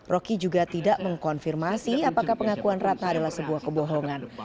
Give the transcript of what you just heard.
roky juga tidak mengkonfirmasi apakah pengakuan ratna adalah sebuah kebohongan